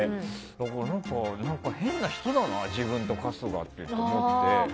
だから、変な人だな自分と春日ってと思って。